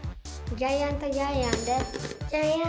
ジャイアントジャイアンです。